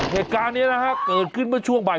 เหตุการณ์นี้นะฮะเกิดขึ้นเมื่อช่วงบ่าย